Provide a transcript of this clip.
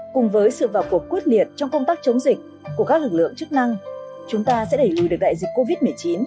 cùng với sự vào cuộc quyết liệt trong công tác chống dịch của các lực lượng chức năng chúng ta sẽ đẩy lùi được đại dịch covid một mươi chín